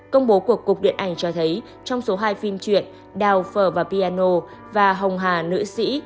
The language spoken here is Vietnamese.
công bố của cục điện ảnh cho thấy trong số hai phim truyện đào phở và piano và hồng hà nữ sĩ